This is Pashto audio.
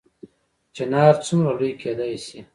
چنار څومره لوی کیدی شي؟